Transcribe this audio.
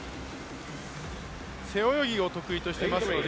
背泳ぎを得意としていますので、